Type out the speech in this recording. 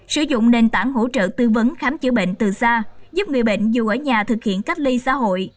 sử dụng nền tảng hỗ trợ tư vấn khám chữa bệnh từ xa giúp người bệnh dù ở nhà thực hiện cách ly xã hội